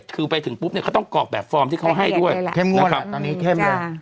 คือไปถึงปุ๊บเนี่ยเขาต้องกรอกแบบฟอร์มที่เขาให้ด้วยแพ็กเกจเลยแหละนะครับตอนนี้เข้มเลยจ้า